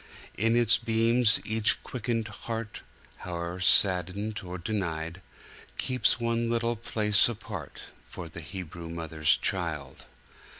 In its beams each quickened heart, Howe'er saddened or denied, Keeps one little place apart For the Hebrew mother's Child.